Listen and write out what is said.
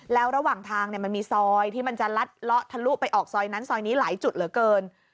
แล้วระหว่างทางมันมีซอยที่มันจะลัดเลาะทะลุไปออกซอยนั้นซอยนี้หลายจุดเหลือเกิน